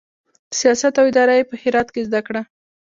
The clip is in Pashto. سیاست او اداره یې په هرات کې زده کړه.